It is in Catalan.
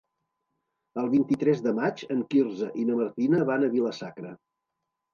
El vint-i-tres de maig en Quirze i na Martina van a Vila-sacra.